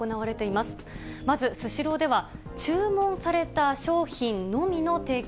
まず、スシローでは、注文された商品のみの提供。